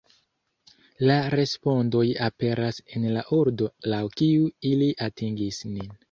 La respondoj aperas en la ordo laŭ kiu ili atingis nin.